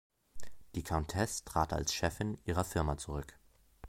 Die Countess trat als Chefin ihrer Firma zurück.